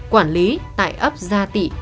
quản lý tại ấp gia tị